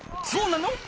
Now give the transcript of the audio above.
そうなの？